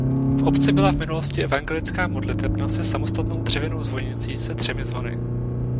V obci byla v minulosti evangelická modlitebna se samostatnou dřevěnou zvonicí se třemi zvony.